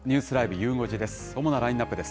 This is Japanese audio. ゆう５時です。